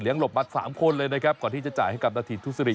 เหลียงหลบบัตรสามคนเลยนะครับก่อนที่จะจ่ายให้กับหน้าทีทุสิริ